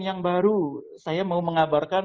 yang baru saya mau mengabarkan